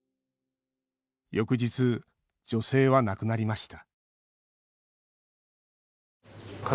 翌日、女性は亡くなりました